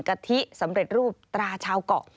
กะทิสำเร็จรูปตราชาวเกาะ